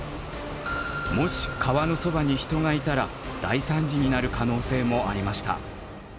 もし川のそばに人がいたら大惨事になる可能性もありました。